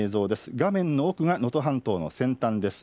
画面の奥が能登半島の先端です。